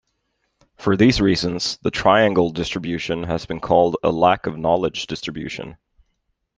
For these reasons, the triangle distribution has been called a "lack of knowledge" distribution.